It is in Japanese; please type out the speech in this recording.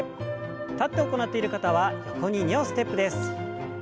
立って行っている方は横に２歩ステップです。